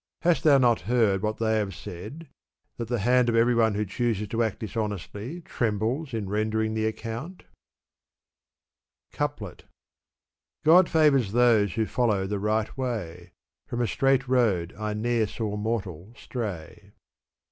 Hast thou not heard what they have said, ' that the hand of every one who chooses to act dishonestly trembles in rendering the accoimt*?" Coup/ef. God favors those who follow the right way, From a straight road I ne'er saw mortal stray.